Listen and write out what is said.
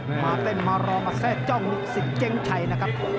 มาเต้นมารอมาแทรกจ้องสิทธิ์เจ๊งชัยนะครับ